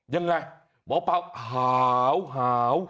อย่างไงหมอป้าหาวหาว